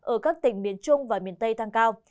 ở các tỉnh miền trung và miền tây tăng cao